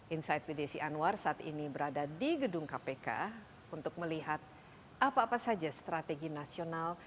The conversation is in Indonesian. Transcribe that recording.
insight with desi anwar saat ini berada di gedung kpk untuk melihat apa apa saja strategi nasional